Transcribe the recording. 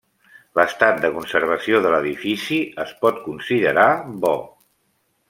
L'estat de conservació de l'edifici es pot considerar bo.